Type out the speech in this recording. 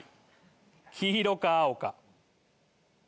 黄色か青か。